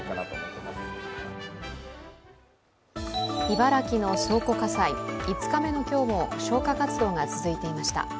茨城の倉庫火災、５日目の今日も消火活動が続いていました。